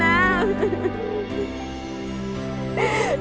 ได้แล้วได้แล้ว